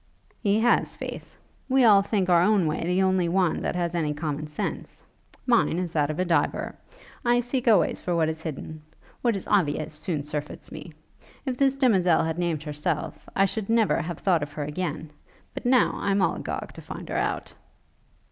He has, faith! We all think our own way the only one that has any common sense. Mine, is that of a diver: I seek always for what is hidden. What is obvious soon surfeits me. If this demoiselle had named herself, I should never have thought of her again; but now, I'm all agog to find her out.'